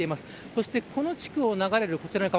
そして、この地区を流れるこちらの川。